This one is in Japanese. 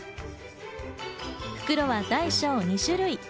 袋は大小２種類。